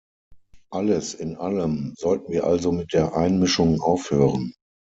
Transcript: Alles in allem sollten wir also mit der Einmischung aufhören.